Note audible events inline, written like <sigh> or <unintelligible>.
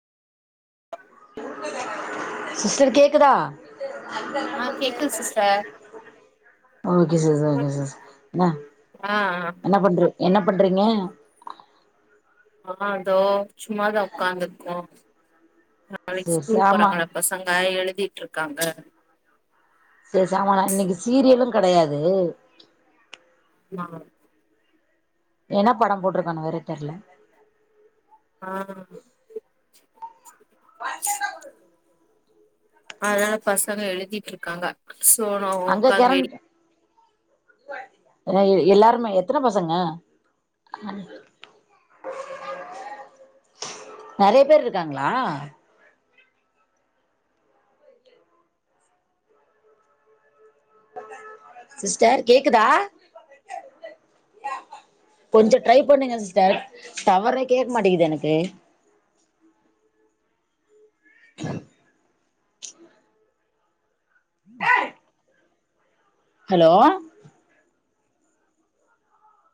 sister கேக்குதா ஆ கேக்குது சிஸ்டர் ஓகே ச ச <unintelligible> என்ன ஆ என்ன பண்ற என்ன பண்றீங்க ஆ அதோ சும்மாதா உடக்காந்துருக்கோ நாளைக்கு சேரி சே ஸ்கூல் ஆமா போறங்கள பசங்க எழு னிட்டு இருக்காங்க சரி சாமாலா இன்னைக்கு சீரியலு கெடையாது ஆ என்ன படம் போட்டிருக்கான வேற தெர்ல ஆ வய் தெக்கா குடு அதனால பசங்க எழுதிட்டு இருக்காங்க சோனோ அங்க ஒக்கா வெறி கரண்ட் எ எல்லாருமே எத்தன பசங்க நிறைய பேர் இருக்காங்களா சிஸ்டர் கேக்குதா கொஞ்சம் டீரை பண்ணுங்க சிஸ்டர் தவறே கேட்க மாட்டேங்குது எனக்கு <unintelligible> ஏய் ஹலோ